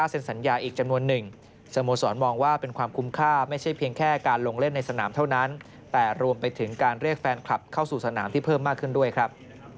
เซ็นสัญญาอีกจำนวนหนึ่งสโมสรมองว่าเป็นความคุ้มค่าไม่ใช่เพียงแค่การลงเล่นในสนามเท่านั้นแต่รวมไปถึงการเรียกแฟนคลับเข้าสู่สนามที่เพิ่มมากขึ้นด้วยครับ